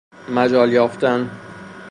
مجال یافتن